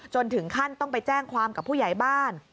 ถึงขั้นต้องไปแจ้งความกับผู้ใหญ่บ้าน